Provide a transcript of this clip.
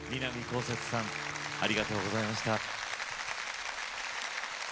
こうせつさんありがとうございました。